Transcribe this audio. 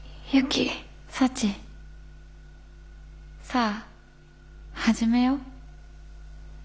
さあ始めよう。